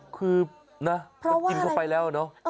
คือนะมันกินเข้าไปแล้วเนอะ